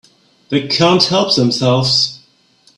They can't help themselves.